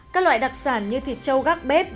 các loại đặc sản như thịt châu gác bếp